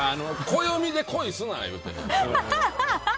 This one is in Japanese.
暦で恋すな言うて。